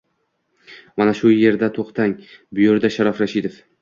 — Mana shu yerda to‘xtating! — buyurdi Sharof Rashidov.